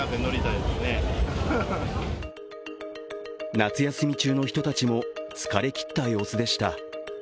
夏休み中の人たちも疲れ切った様子でした。